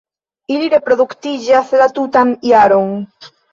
Ili reproduktiĝas la tutan jaron.